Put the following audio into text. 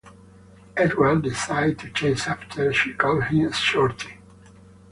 Edward decides to chase after she calls him "shorty".